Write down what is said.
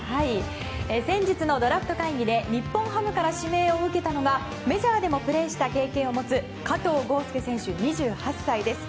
先日のドラフト会議で日本ハムから指名を受けたのはメジャーでもプレーした経験の持つ加藤豪将選手、２８歳です。